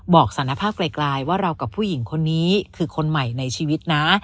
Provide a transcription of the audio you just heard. สารภาพไกลว่าเรากับผู้หญิงคนนี้คือคนใหม่ในชีวิตนะ